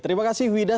terima kasih wida